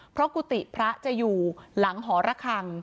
เพราะกุฏิพระจะอยู่หลังหอระคัง